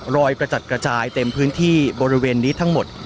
กระจัดกระจายเต็มพื้นที่บริเวณนี้ทั้งหมด